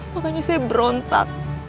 makanya saya berontak